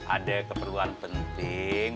ada keperluan penting